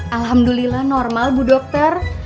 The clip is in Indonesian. alhamdulillah normal bu dokter